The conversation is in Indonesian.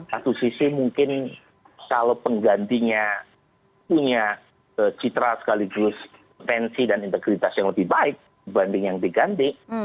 satu sisi mungkin kalau penggantinya punya citra sekaligus pensi dan integritas yang lebih baik dibanding yang diganti